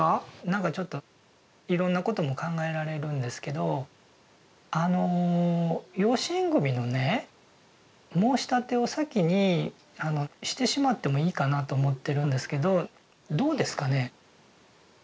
なんかちょっといろんなことも考えられるんですけどあの養子縁組のね申立を先にしてしまってもいいかなと思ってるんですけどどうですかね？